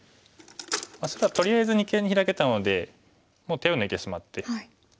白はとりあえず二間にヒラけたのでもう手を抜いてしまって。